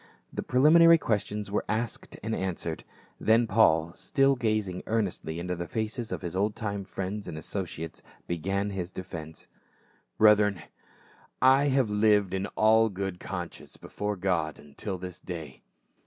The preliminary questions were cisked and answered ; then Paul, still gazmg earnestly into the faces of his old time friends and associates, began his defence. " Brethren, I have lived in all good conscience before God until this day."